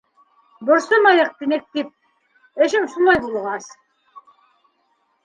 Борсомайыҡ тинек тип... эшем шулай булғас...